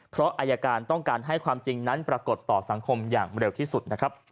เพราะอายการต้องการให้ความจริงนั้นปรากฏต่อสังคมอย่างเร็วที่สุดนะครับ